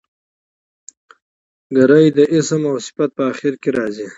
ګری د اسم او صفت په آخر کښي راځي.